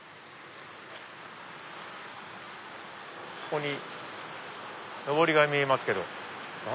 ここにのぼりが見えますけど。